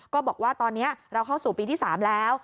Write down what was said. ก็บอกว่าตอนนี้เราเข้าสู่ปีที่๓แล้ว